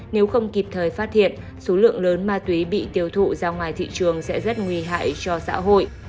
nếu không kịp thời phát hiện số lượng lớn ma túy bị tiêu thụ ra ngoài thị trường sẽ rất nguy hại cho xã hội